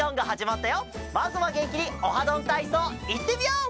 まずはげんきに「オハどんたいそう」いってみよう！